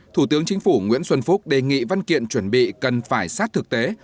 thủ tướng chính phủ nguyễn xuân phúc đề nghị văn kiện chuẩn bị cần phải sát thực tế